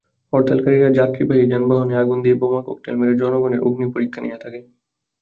হরতালকারীরা যাত্রীবাহী যানবাহনে আগুন দিয়ে, বোমা, ককটেল মেরে জনগণের অগ্নিপরীক্ষা নিয়ে থাকে।